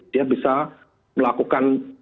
dia bisa melakukan